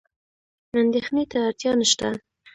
اندېښنې ته اړتیا نشته.